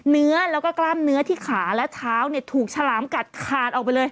เนื้อแล้วก็กล้ามเนื้อที่ขาและเท้าเนี่ยถูกฉลามกัดขาดออกไปเลย